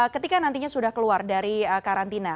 ketika nantinya sudah keluar dari karantina